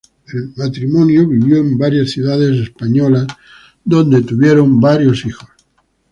El matrimonio vivió en varias localidades españolas, donde tuvieron varios hijos.